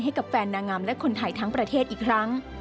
ให้กับแฟนนางงามและคนไทยทั้งประเทศอีกครั้ง